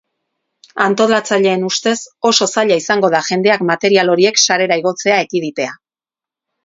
Antolatzaileen ustez, oso zaila izango da jendeak material horiek sarera igotzea ekiditea.